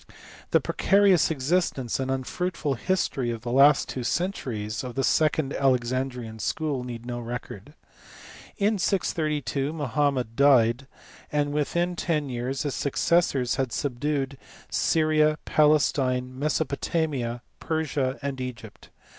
The precarious existence and unfruitful history of the last two centuries of the second Alexandrian School need no record. In 632 Mohammed died, and within ten years his successors had subdued Syria, Palestine, Mesopotamia, Persia, and Egypt.